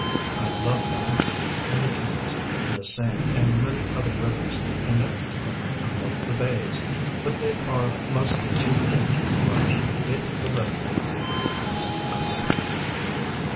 I love the Hudson, and the Thames, and the Seine and many other rivers, and next to them I love the bays, but they are mostly too big to love. It's the little things that creep next us.